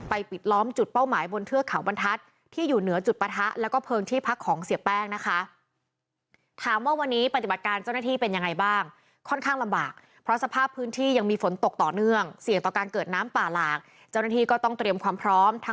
ไปปิดล้อมจุดเป้าหมายบนเทือกขาวบรรทัศน์ที่อยู่เหนือจุดประทะ